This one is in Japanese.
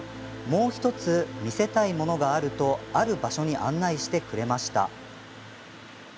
もう１つ見せたいものがあるとある場所に案内してくれました。